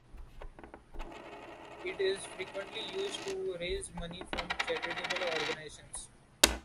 It is frequently used to raise money for charitable organisations.